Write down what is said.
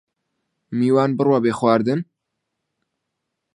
میوان بڕوا بێ دەرخوارد